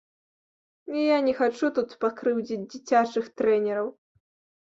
Я не хачу тут пакрыўдзіць дзіцячых трэнераў.